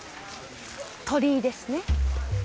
鳥居ですね。